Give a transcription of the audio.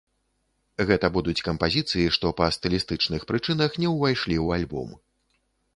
Гэта будуць кампазіцыі, што па стылістычных прычынах не ўвайшлі ў альбом.